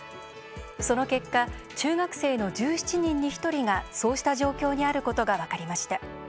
その結果中学生の１７人に１人がそうした状況にあることが分かりました。